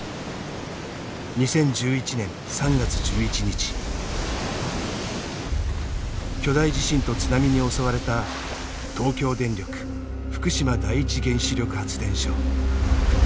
２０１１年３月１１日巨大地震と津波に襲われた東京電力福島第一原子力発電所。